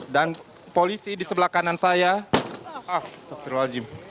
dan polisi di sebelah kanan saya